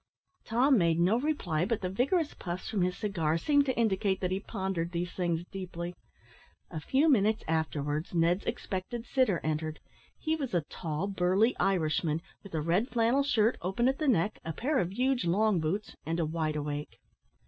Tom made no reply, but the vigorous puffs from his cigar seemed to indicate that he pondered these things deeply. A few minutes afterwards, Ned's expected sitter entered. He was a tall burly Irishman, with a red flannel shirt, open at the neck, a pair of huge long boots, and a wide awake.